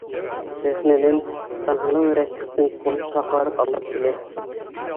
Сәхнәнән Таңһылыу Рәсихтең ҡулын шаҡарып алып килә.